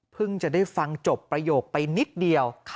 จะได้ฟังจบประโยคไปนิดเดียว